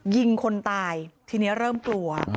ยิงคนตายทีนี้เริ่มกลัว